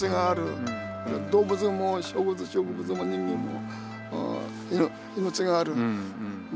動物も植物も人間も命がある。